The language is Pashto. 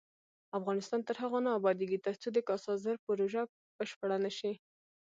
افغانستان تر هغو نه ابادیږي، ترڅو د کاسا زر پروژه بشپړه نشي.